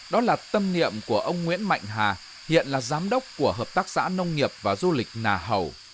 đó là tâm niệm của ông nguyễn mạnh hà hiện là giám đốc của hợp tác xã nông nghiệp và du lịch nà hầu